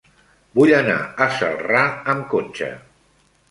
Vull anar a Celrà amb cotxe.